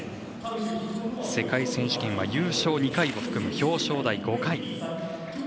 世界選手権は優勝２回を含む表彰台５回。